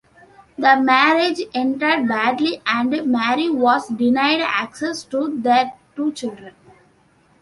The marriage ended badly and Mary was denied access to their two children.